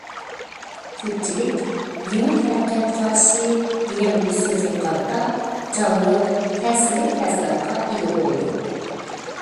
كۆپچىلىك« يېڭى تەرەققىيات قارىشى» دېگەن بۇ سۆزگە قارىتا جانلىق، تەسىرلىك تەسىراتقا ئىگە بولدى.